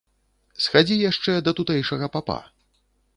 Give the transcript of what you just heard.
Схадзі яшчэ да тутэйшага папа.